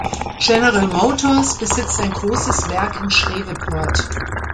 General Motors besitzt ein großes Werk in Shreveport.